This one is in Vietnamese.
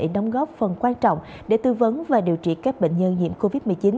đóng góp phần quan trọng để tư vấn và điều trị các bệnh nhân nhiễm covid một mươi chín